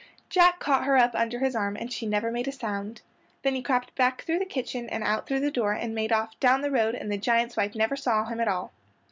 Jack caught her up under his arm and she never made a sound. Then he crept back through the kitchen and out through the door, and made off down the road, and the giant's wife never saw him at all.